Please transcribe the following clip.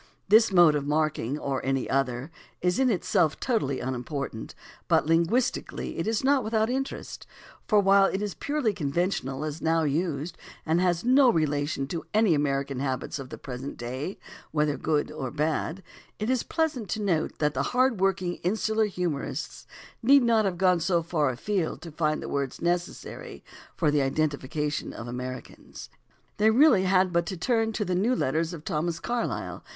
This mode of marking, or any other, is in itself totally unimportant, but linguistically it is not without interest, for while it is purely conventional as now used and has no re lation to any American habits of the present day, whether good or bad, it is pleasant to note that the hard worked insular humorists need not have gone so far afield to find the words necessary for the identifica tion of Americans. They really had but to turn to the New Letters of Thomas Carlyle (vol.